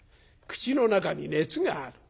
口の中に熱がある。